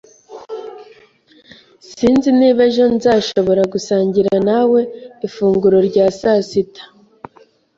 Sinzi niba ejo nzashobora gusangira nawe ifunguro rya sasita.